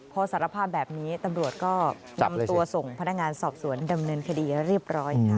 พอสารภาพแบบนี้ตำรวจก็นำตัวส่งพนักงานสอบสวนดำเนินคดีเรียบร้อยค่ะ